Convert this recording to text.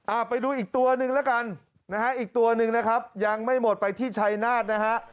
ไปดูอีกตัวหนึ่งแล้วกันนะฮะอีกตัวหนึ่งนะครับยังไม่หมดไปที่ชัยนาฏนะฮะ